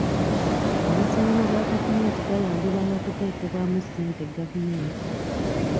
Amasomero ga gavumenti gayambibwa n'okuteekebwamu ssente gavumenti.